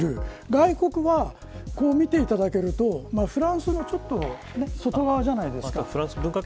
外国は、見ていただくとフランスの外側じゃないですか。